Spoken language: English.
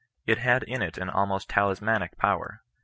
It had in it an almost talismanic power.